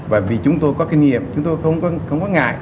bởi vì chúng tôi có kinh nghiệm chúng tôi không có ngại